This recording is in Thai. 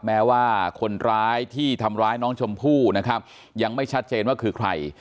แม้ว่าคนร้ายที่ทำร้ายน้องชมพู่นะครับยังไม่ชัดเจนว่าคือใคร